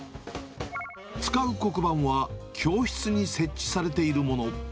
使う黒板は、教室に設置されているもの。